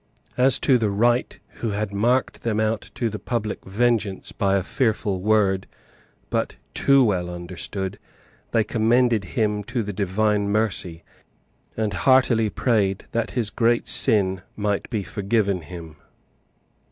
As to the write who had marked them out to the public vengeance by a fearful word, but too well understood, they commended him to the Divine mercy, and heartily prayed that his great sin might be forgiven him.